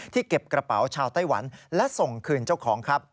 เก็บกระเป๋าชาวไต้หวันและส่งคืนเจ้าของครับ